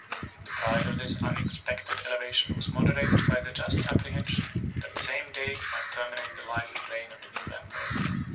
The pride of this unexpected elevation was moderated by the just apprehension, that the same day might terminate the life and reign of the new emperor.